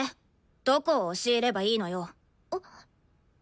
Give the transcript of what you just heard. どこを教えればいいのよ？